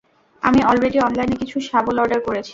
আমি অলরেডি অনলাইনে কিছু শাবল অর্ডার করেছি!